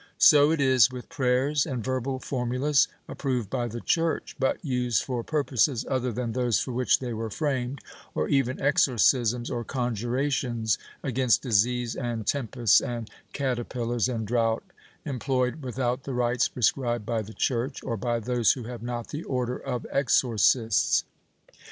So it is with prayers and verbal formulas approved by the Church, but used for pur poses other than those for which they were framed, or even exorcisms or conjurations against disease and tempests and cater pillars and drought, employed without the rites prescribed by the Church, or by those who have not the Order of Exorcists.